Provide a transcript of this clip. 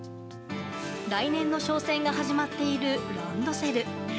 来年の商戦が始まっているランドセル。